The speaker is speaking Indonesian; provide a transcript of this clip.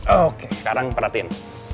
oke sekarang perhatiin